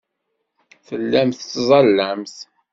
Tellamt tettẓallamt.